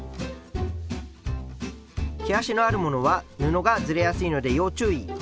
毛足のあるものは布がずれやすいので要注意！